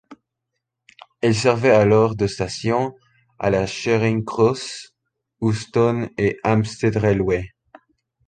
Elle servait alors de station à la Charing Cross, Euston & Hampstead Railway.